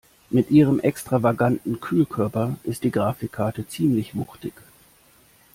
Mit ihrem extravaganten Kühlkörper ist die Grafikkarte ziemlich wuchtig.